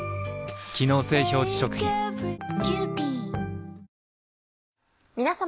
機能性表示食品皆様。